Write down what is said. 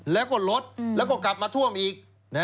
แล้วก็ลดแล้วก็กลับมาท่วมอีก